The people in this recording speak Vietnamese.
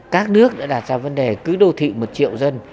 các nước đã đặt ra vấn đề cứ đô thị một triệu dân